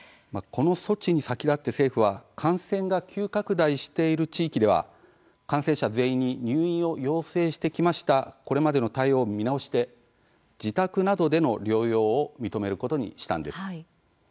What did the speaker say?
この措置に先立って政府は感染が急拡大している地域では感染者全員に入院を要請してきたこれまでの対応を見直し自宅などでの療養を認めることにしました。